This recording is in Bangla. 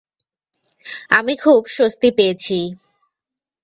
আমি খুব স্বস্তি পেয়েছি।